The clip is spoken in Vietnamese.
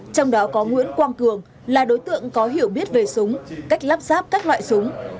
trong đó có nguyễn quang cường là đối tượng có hiểu biết về súng cách lắp ráp các loại súng